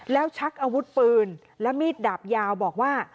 แล้วชักอาวุธปืนและมีดดาบยาวบอกว่า